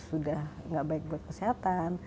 sudah tidak baik buat kesehatan